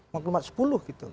maklumat sepuluh gitu